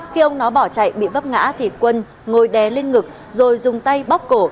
khi ông nó bỏ chạy bị vấp ngã thì quân ngồi đé lên ngực rồi dùng tay bóc cổ